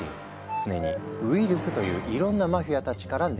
常にウイルスといういろんなマフィアたちから狙われているんだ。